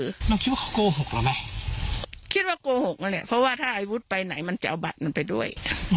เราคิดว่าเขาโกหกเราไหมคิดว่าโกหกนั่นแหละเพราะว่าถ้าอาวุธไปไหนมันจะเอาบัตรมันไปด้วย